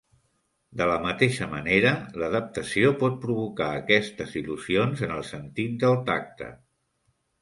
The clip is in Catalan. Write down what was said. De la mateixa manera, l'adaptació pot provocar aquestes il·lusions en el sentit del tacte.